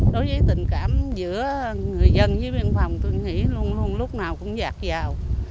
đối với tình cảm giữa người dân với biên phòng tôi nghĩ luôn luôn lúc nào cũng giặc vào